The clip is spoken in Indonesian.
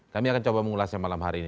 kami akan coba mengulasnya malam hari ini